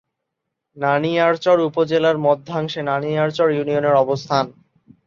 নানিয়ারচর উপজেলার মধ্যাংশে নানিয়ারচর ইউনিয়নের অবস্থান।